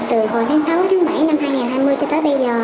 từ hồi tháng sáu tháng bảy năm hai nghìn hai mươi cho tới bây giờ